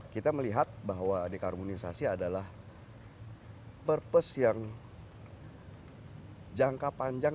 kita melihat bahwa dekarbonisasi adalah purpose yang jangka panjang